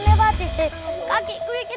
terbukti semuanya jadi keempat